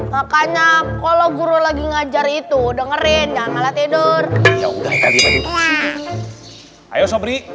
makanya kalau guru lagi ngajar itu dengerin jangan malah tidur ya udah kali ini ayo sobri